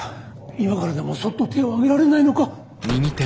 今からでもそっと手を挙げられないのか？